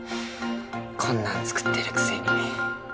こんなん作ってるくせに。